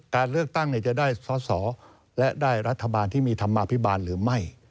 การเลือกตั้งจะได้สอสอและได้รัฐบาลที่มีธรรมาภิบาลหรือไม่